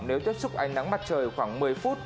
nếu tiếp xúc ánh nắng mặt trời khoảng một mươi phút